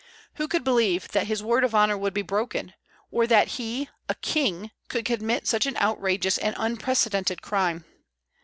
Who could believe that his word of honor would be broken, or that he, a king, could commit such an outrageous and unprecedented crime?